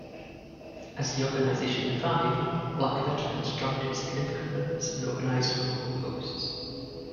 As the organization revived, black veterans joined in significant numbers and organized local posts.